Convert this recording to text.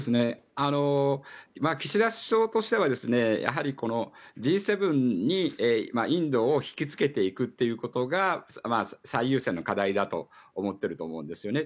岸田首相としてはやはりこのＧ７にインドを引きつけていくということが最優先の課題だと思っていると思うんですね。